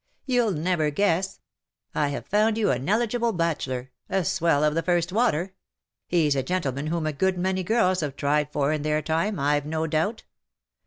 ^'Yon^ll never guess. I have found you an eligible bachelor — a swell of the first water. He^s a gentle man whom a good many girls have tried for in their time, IVe no doubt.